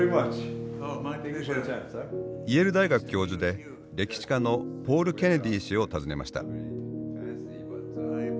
イェール大学教授で歴史家のポール・ケネディ氏を訪ねました。